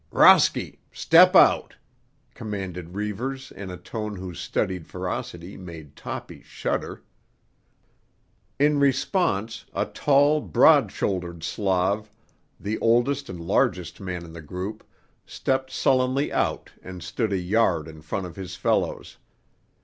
"Rosky! Step out!" commanded Reivers in a tone whose studied ferocity made Toppy shudder. In response, a tall, broad shouldered Slav, the oldest and largest man in the group, stepped sullenly out and stood a yard in front of his fellows.